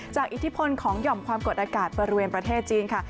อิทธิพลของหย่อมความกดอากาศบริเวณประเทศจีนค่ะ